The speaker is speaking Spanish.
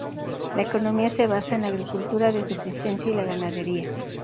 La economía se basa en la agricultura de subsistencia y la ganadería.